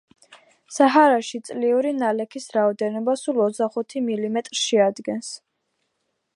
საჰარაში წლიური ნალექის რაოდენობა სულ ოცდახუთი მილიმეტრს შეადგენს